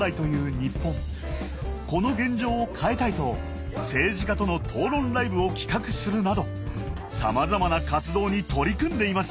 この現状を変えたいと政治家との討論ライブを企画するなどさまざまな活動に取り組んでいます。